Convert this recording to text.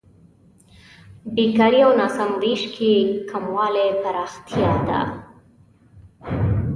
بېکارۍ او ناسم وېش کې کموالی پرمختیا ده.